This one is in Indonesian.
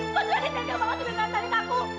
kok jadi tegel banget dengan katanik aku